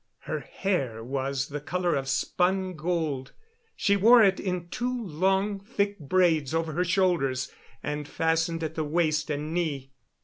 Her hair was the color of spun gold; she wore it in two long, thick braids over her shoulders and fastened at the waist and knee.